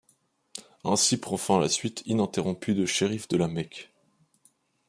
Ainsi prend fin la suite ininterrompue de chérifs de la Mecque.